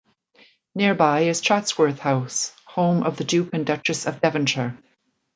Nearby is Chatsworth House, home of the Duke and Duchess of Devonshire.